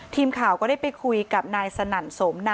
ทีมข่าวก็ได้ไปคุยกับนายสนั่นสมนะ